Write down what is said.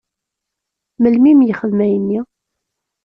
Melmi i m-yexdem ayenni?